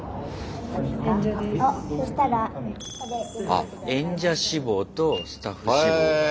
あ演者志望とスタッフ志望。へ。